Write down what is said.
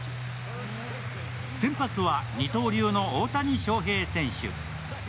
先発は二刀流の大谷翔平選手。